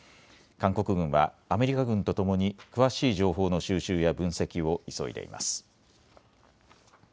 韓国軍はアメリカ軍とともに詳しい情報の収集や分析を急いでいます。